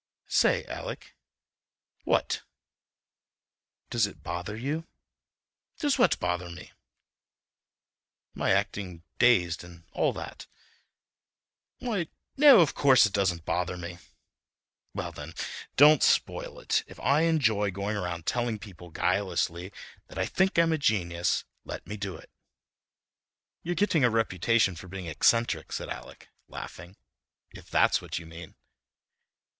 "Say, Alec." "What?" "Does it bother you?" "Does what bother me?" "My acting dazed and all that?" "Why, no—of course it doesn't bother me." "Well, then, don't spoil it. If I enjoy going around telling people guilelessly that I think I'm a genius, let me do it." "You're getting a reputation for being eccentric," said Alec, laughing, "if that's what you mean."